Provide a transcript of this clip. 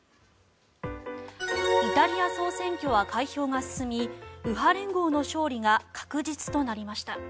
イタリア総選挙は開票が進み右派連合の勝利が確実となりました。